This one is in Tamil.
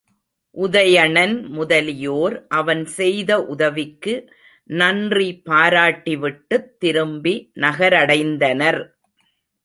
உதயணன் முதலியோர் அவன் செய்த உதவிக்கு நன்றி பாராட்டிவிட்டுத் திரும்பி நகரடைந்தனர்.